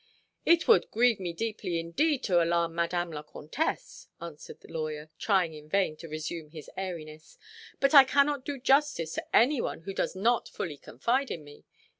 "It would grieve me deeply indeed to alarm Madame la Comtesse," answered the lawyer, trying in vain to resume his airiness; "but I cannot do justice to any one who does not fully confide in me.